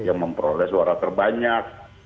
yang memprodes suara terbanyak